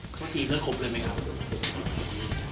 เมื่อกี้เพื่อนของเพื่อนมั้ยครับ